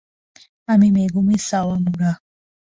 আমি মেগুমি সাওয়ামুরা।